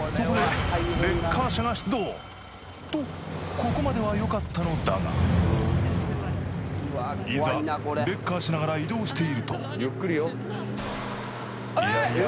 ここまではよかったのだがいざレッカーしながら移動しているといやいや